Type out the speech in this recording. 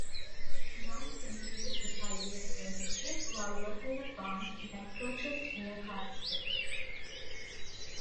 Brown completed the five-year apprenticeship while working a farm he had purchased near Cardston.